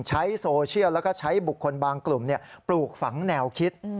ใช้โซเชียลแล้วก็ใช้บุคคลบางกลุ่มปลูกฝังแนวคิด